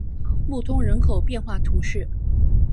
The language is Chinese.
穆通人口变化图示